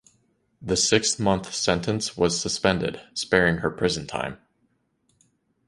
The six-month sentence was suspended, sparing her prison time.